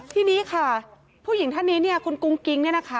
ทีนี้ค่ะผู้หญิงท่านนี้เนี่ยคุณกุ้งกิ๊งเนี่ยนะคะ